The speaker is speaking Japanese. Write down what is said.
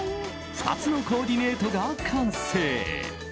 ２つのコーディネートが完成。